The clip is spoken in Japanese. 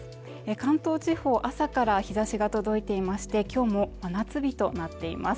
関東地方朝から日差しが届いていまして今日も真夏日となっています